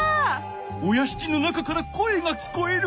おやしきの中から声が聞こえる。